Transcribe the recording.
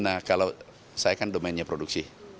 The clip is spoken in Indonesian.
nah kalau saya kan domainnya produksi